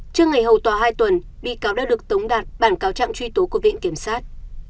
trước ngày hầu tòa hai tuần bị cáo đã được tống đạt bản cáo trạng truy tố của viện kiểm sát